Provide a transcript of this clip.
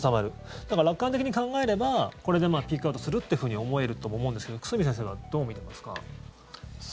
だから、楽観的に考えればこれでピークアウトするっていうふうに思えるとも思うんですけど久住先生はどう見ていますか？